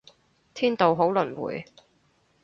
天道好輪迴